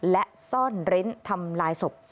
และซ่อนเร้นทำลายศพ